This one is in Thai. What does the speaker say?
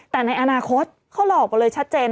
แต่ในอนาคตเขาหลอกไปเลยชัดเจน